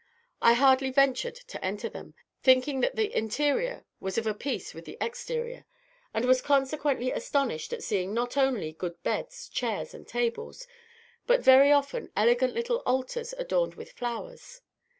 I hardly ventured to enter them, thinking that the interior was of a piece with the exterior, and was consequently astonished at seeing not only good beds, chairs, and tables, but very often elegant little altars adorned with flowers.